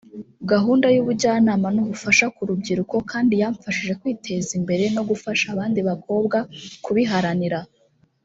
Gahunda y’ubujyanama n’ubufasha ku rubyiruko kandi yamfashije kwiteza imbere no gufasha abandi bakobwa kubiharanira